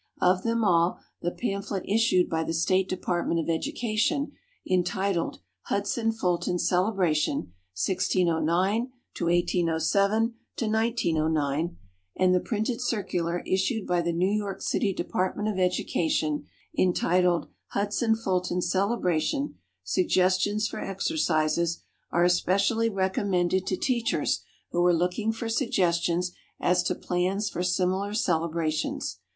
Of them all, the pamphlet issued by the State Department of Education, entitled "Hudson Fulton Celebration, 1609 1807 1909," and the printed circular issued by the New York City Department of Education, entitled "Hudson Fulton Celebration Suggestions for Exercises," are especially recommended to teachers who are looking for suggestions as to plans for similar celebrations.